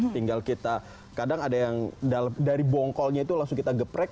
tinggal kita kadang ada yang dari bongkolnya itu langsung kita geprek